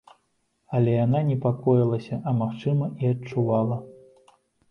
Але яна непакоілася, а, магчыма, і адчувала.